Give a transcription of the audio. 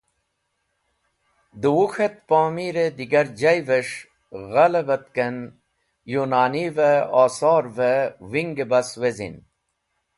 De Wuk̃h et Pomir e digar jayves̃h ghalebatken Younanive Osorev Winge bas Wezin.